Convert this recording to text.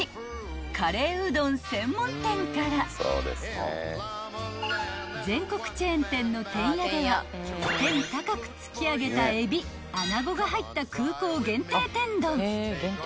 カレーうどん専門店から全国チェーン店のてんやでは天高く突き上げたエビ・穴子が入った空港限定天丼］